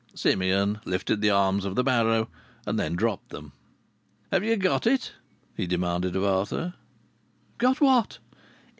Simeon lifted the arms of the barrow, and then dropped them. "Have you got it?" he demanded of Arthur. "Got what?"